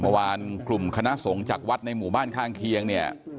เมื่อวานกลุ่มคณะสงฆ์จากวัดในหมู่บ้านข้างเคียงเนี่ย